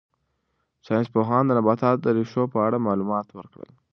ساینس پوهانو د نباتاتو د ریښو په اړه معلومات ورکړل.